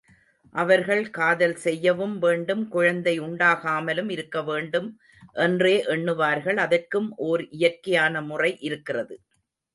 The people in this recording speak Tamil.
அவர்கள் காதல் செய்யவும் வேண்டும், குழந்தை உண்டாகாமலும் இருக்கவேண்டும் என்றே எண்ணுவார்கள் அதற்கும் ஓர் இயற்கையான முறை இருக்கிறது.